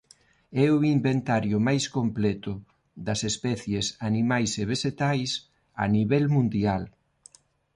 É o inventario máis completo das especies animais e vexetais a nivel mundial.